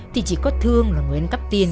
thì chỉ có thương là người ăn cắp tiền